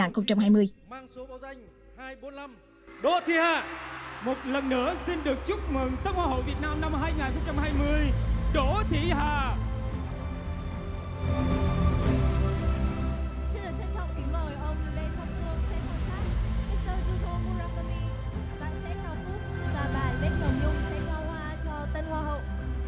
chúng ta cùng nhìn ngắm lại khoảnh khắc đỗ thị hà đăng quan hoa hậu việt nam hai nghìn hai mươi